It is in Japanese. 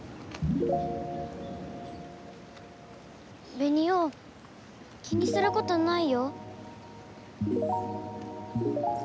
ベニオ気にすることないよ。